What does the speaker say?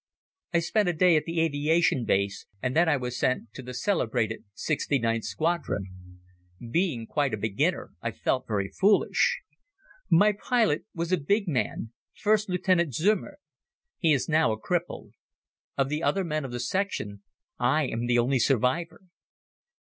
I spent a day at the aviation base and then I was sent to the celebrated 69th Squadron. Being quite a beginner I felt very foolish. My pilot was a big gun, First Lieutenant Zeumer. He is now a cripple. Of the other men of the Section, I am the only survivor.